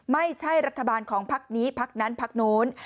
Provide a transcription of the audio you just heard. ไม่ใช่รัฐบาลของภักดีนี้ภักดีนั้นภักดีโน้น